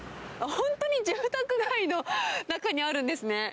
本当に住宅街の中にあるんですね。